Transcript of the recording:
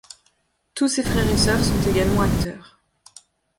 Tous ses frères et sœurs sont également acteurs.